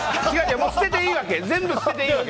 もう捨てていいわけ。